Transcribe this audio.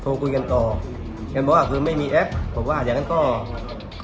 โทรคุยกันต่อยังบอกไม่มีแอป